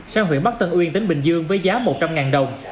sang huyện bắc tân uyên tỉnh bình dương với giá một trăm linh đồng